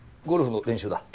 ゴルフの練習だ。